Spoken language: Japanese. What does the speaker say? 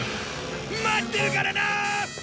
待ってるからなー！